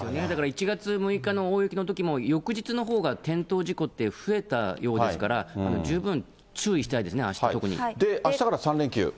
だから１月６日の大雪のときも、翌日のほうが転倒事故って増えたようですから、十分注意したいでで、あしたから３連休。